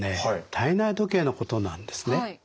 体内時計のことなんですね。